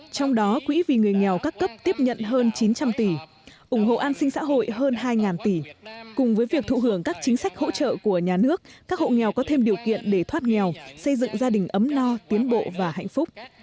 trong đó quỹ vì người nghèo các cấp tiếp nhận hơn chín trăm linh tỷ ủng hộ an sinh xã hội hơn hai tỷ cùng với việc thụ hưởng các chính sách hỗ trợ của nhà nước các hộ nghèo có thêm điều kiện để thoát nghèo xây dựng gia đình ấm no tiến bộ và hạnh phúc